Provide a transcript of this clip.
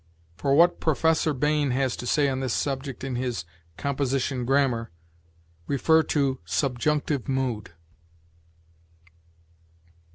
For what Professor Bain has to say on this subject in his "Composition Grammar," see SUBJUNCTIVE MOOD.